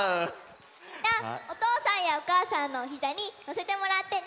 みんなおとうさんやおかあさんのおひざにのせてもらってね！